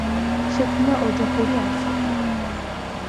შექმნა ოჯახური ანსამბლი.